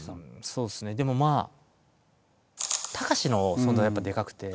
そうですねでもまあたかしの存在やっぱでかくて。